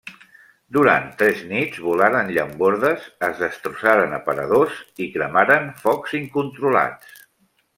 Durant tres nits, volaren llambordes, es destrossaren aparadors i cremaren focs incontrolats.